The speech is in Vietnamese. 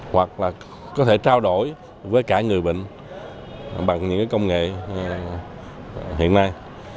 hoặc là có thể trao đổi với cả người bệnh bằng những công nghệ hiện nay